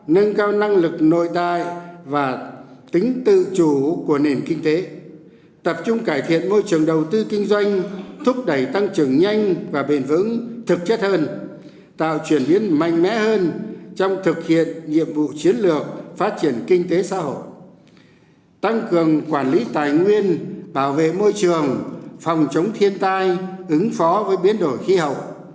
nâng cao năng lực nội đai và tính tự chủ của nền kinh tế tập trung cải thiện môi trường đầu tư kinh doanh thúc đẩy tăng trưởng nhanh và bền vững thực chất hơn tạo chuyển biến mạnh mẽ hơn trong thực hiện nhiệm vụ chiến lược phát triển kinh tế xã hội tăng cường quản lý tài nguyên bảo vệ môi trường phòng chống thiên tai ứng phó với biến đổi khí hậu